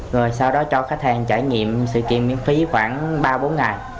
rồi sau đó cho khách hàng trải nghiệm sự kiện miễn phí khoảng ba bốn ngày